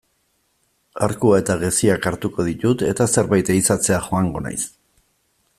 Arkua eta geziak hartuko ditut eta zerbait ehizatzera joango naiz.